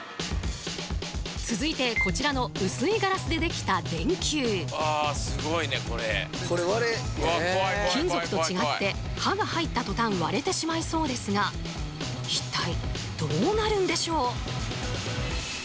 続いてこちらの薄いガラスでできた電球金属と違って刃が入った途端割れてしまいそうですが一体どうなるんでしょう？